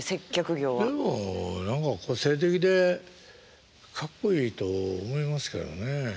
でも何か個性的でかっこいいと思いますけどねえ。